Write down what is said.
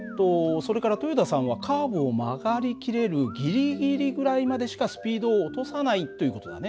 それから豊田さんはカーブを曲がりきれるギリギリぐらいまでしかスピードを落とさないという事だね。